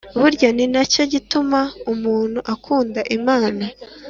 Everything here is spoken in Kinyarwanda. burya ni na cyo gituma umuntu akunda imana